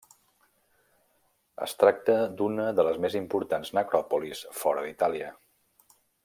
Es tracta d'una de les més importants necròpolis fora d'Itàlia.